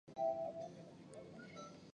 是一款由育碧制作和发行的平台游戏。